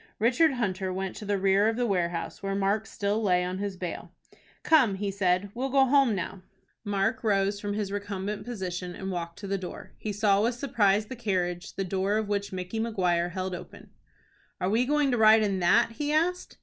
Richard Hunter went to the rear of the warehouse where Mark still lay on his bale. "Come," he said; "we'll go home now." Mark rose from his recumbent position, and walked to the door. He saw with surprise the carriage, the door of which Micky Maguire held open. "Are we going to ride in that?" he asked.